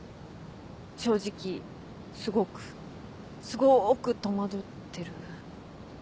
正直すごくすごく戸惑ってる。